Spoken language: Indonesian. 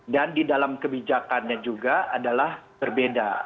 dan di dalam kebijakannya juga adalah berbeda